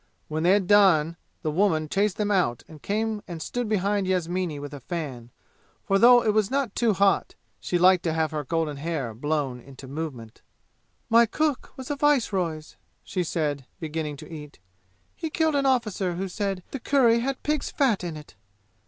When they had done the woman chased them out and came and stood behind Yasmini with a fan, for though it was not too hot, she liked to have her golden hair blown into movement. "My cook was a viceroy's," she said, beginning to eat. "He killed an officer who said the curry had pig's fat in it.